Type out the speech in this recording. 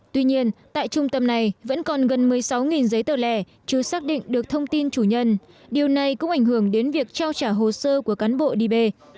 tuy nhiên tại trung tâm này vẫn còn gần một mươi sáu giấy tờ lẻ chưa xác định được thông tin chủ nhân điều này cũng ảnh hưởng đến việc trao trả hồ sơ của cán bộ đi về